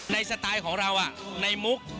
ในสไตล์ของเราอ่ะในมุก